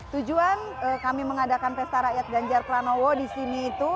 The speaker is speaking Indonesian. tujuan kami mengadakan pesta rakyat ganjar pranowo di sini itu